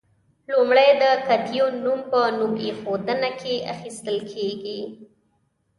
لومړی د کتیون نوم په نوم ایښودنه کې اخیستل کیږي.